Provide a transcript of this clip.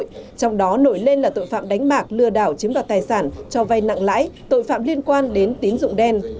trong đó nổi lên là tội phạm đánh bạc lừa đảo chiếm đoạt tài sản cho vay nặng lãi tội phạm liên quan đến tín dụng đen